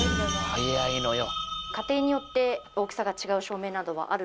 速いのよ。